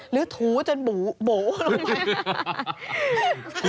หรือถูจนบูบูลงไป